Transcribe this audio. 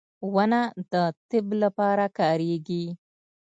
• ونه د طب لپاره کارېږي.